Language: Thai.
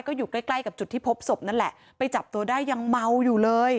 ก็อยู่ใกล้ใกล้กับจุดที่พบศพนั่นแหละไปจับตัวได้ยังเมาอยู่เลย